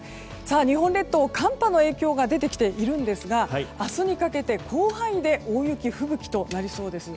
日本列島、寒波の影響が出てきているんですが明日にかけて、広範囲で大雪、吹雪となりそうです。